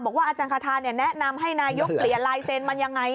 บอกว่าอาจารย์คาธาเนี่ยแนะนำให้นายกเปลี่ยนลายเซนต์มันยังไง